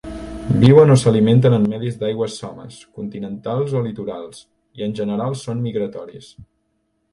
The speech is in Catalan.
Viuen o s'alimenten en medis d'aigües somes, continentals o litorals, i en general són migratoris.